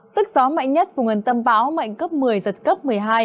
sức gió mạnh nhất vùng gần tâm bão mạnh cấp một mươi giật cấp một mươi hai